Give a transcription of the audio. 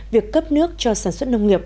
việc cấp nước cho sản xuất nông nghiệp